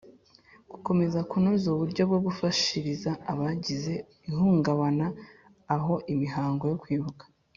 Gukomeza kunoza uburyo bwo gufashiriza abagize ihungabana aho imihango yo Kwibuka